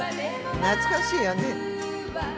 懐かしいやね。